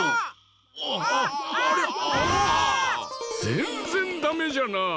ぜんぜんダメじゃなあ。